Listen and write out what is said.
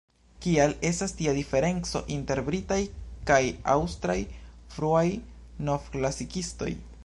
Kial estas tia diferenco inter britaj kaj aŭstraj fruaj novklasikistoj?